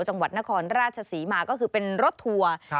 จังหวัดนครราชศรีมาก็คือเป็นรถทัวร์